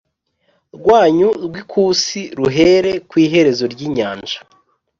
Rwanyu rw ikusi ruhere ku iherezo ry inyanja